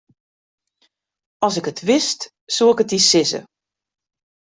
As ik it wist, soe ik it dy sizze.